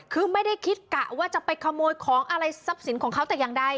คือไม่ได้คิดกะว่าจะไปขโมยของอะไรทรัพย์สินของเขาแต่อย่างใด